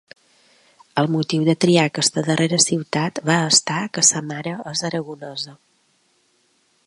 El motiu de triar aquesta darrera ciutat va estar que sa mare és aragonesa.